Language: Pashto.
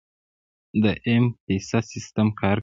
د ایم پیسه سیستم کار کوي؟